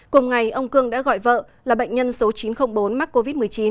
cùng ngày ông cương đã gọi vợ là bệnh nhân số chín trăm linh bốn mắc covid một mươi chín